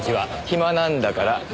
暇なんだから。